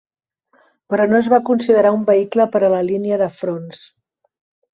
Però no es va considerar un vehicle per a la línia de fronts.